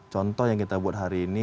contoh yang kita buat hari ini